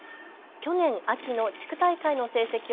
去年、秋の地区大会の成績を